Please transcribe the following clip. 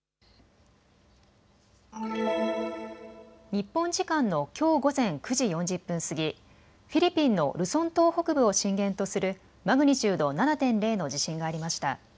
日本時間のきょう午前９時４０分過ぎ、フィリピンのルソン島北部を震源とするマグニチュード７．０の地震がありました。